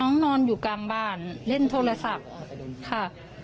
นอนอยู่กลางบ้านเล่นโทรศัพท์ค่ะ